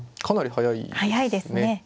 早いですね。